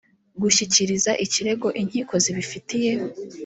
gushyikiriza ikirego inkiko zibifitiye